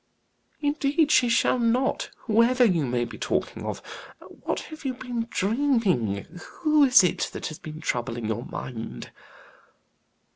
"Indeed she shall not whoever you may be talking of. What have you been dreaming? Who is it that has been troubling your mind?"